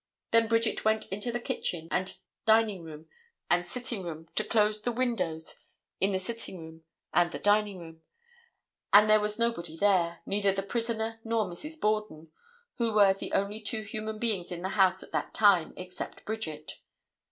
Then Bridget went into the kitchen and dining room and sitting room to close the windows in the sitting room and the dining room, and there was nobody there—neither the prisoner nor Mrs. Borden, who were the only two human beings in the house at that time except Bridget.